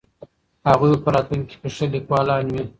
هغوی به په راتلونکي کې ښه لیکوالان وي.